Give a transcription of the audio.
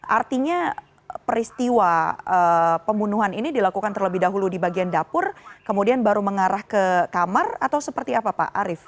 artinya peristiwa pembunuhan ini dilakukan terlebih dahulu di bagian dapur kemudian baru mengarah ke kamar atau seperti apa pak arief